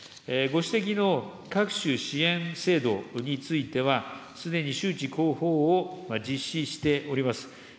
ご指摘の各種支援制度については、すでに周知、広報を実施しております。